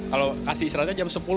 kalau kasih istirahatnya jam sepuluh